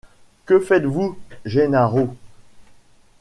Que faites-vous, Gennaro?